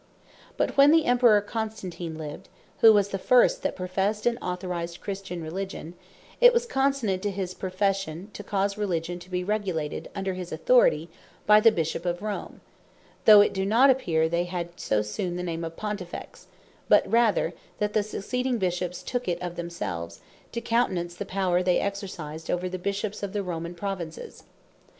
But when the Emperour Constantine lived, who was the first that professed and authorized Christian Religion, it was consonant to his profession, to cause Religion to be regulated (under his authority) by the Bishop of Rome: Though it doe not appear they had so soon the name of Pontifex; but rather, that the succeeding Bishops took it of themselves, to countenance the power they exercised over the Bishops of the Roman Provinces.